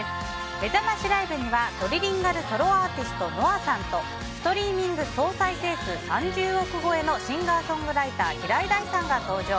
めざましライブにはトリリンガルソロアーティストＮＯＡさんとストリーミング総再生数３０億超えのシンガーソングライター平井大さんが登場。